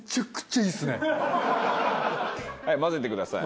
はい混ぜてください。